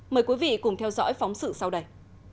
mời quý vị cùng theo dõi phóng sự sau đây